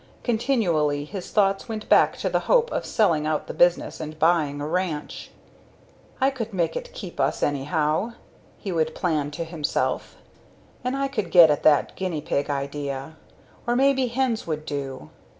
Continually his thoughts went back to the hope of selling out the business and buying a ranch. "I could make it keep us, anyhow," he would plan to himself; "and I could get at that guinea pig idea. Or maybe hens would do."